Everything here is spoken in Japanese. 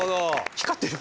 光ってる。